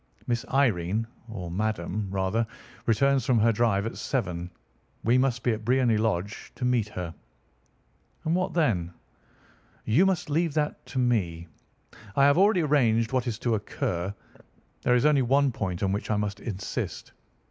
Miss Irene, or Madame, rather, returns from her drive at seven. We must be at Briony Lodge to meet her." "And what then?" "You must leave that to me. I have already arranged what is to occur. There is only one point on which I must insist.